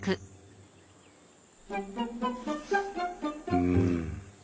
うん。